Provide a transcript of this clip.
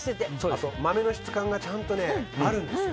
あと、豆の質感がちゃんとあるんですよ。